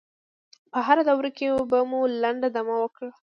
په هره دوره کې به مو لنډه دمه وکړه.